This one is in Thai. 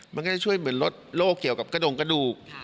มันก็จะช่วยเหมือนลดโรคเกี่ยวกับกระดงกระดูก